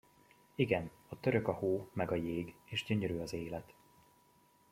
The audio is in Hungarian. Igen, ott örök a hó meg a jég, és gyönyörű az élet!